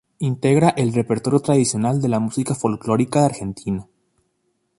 Integra el repertorio tradicional de la música folclórica de Argentina.